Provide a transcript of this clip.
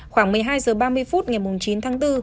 khoảng một mươi hai h ba mươi phút ngày chín tháng bốn